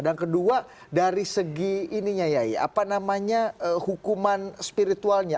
dan kedua dari segi ini nya yayi apa namanya hukuman spiritualnya